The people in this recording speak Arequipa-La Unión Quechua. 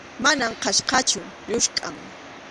Mana qhachqachu, lluskʼam.